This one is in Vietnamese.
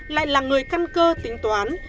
lại là người căn cơ tính toán